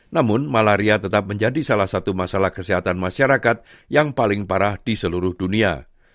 namun malaria tetap menjadi salah satu masalah kesehatan masyarakat yang paling parah di seluruh dunia